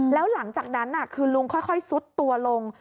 แล้วหลังจากนั้นคือลุงค่อยซุดตัวลง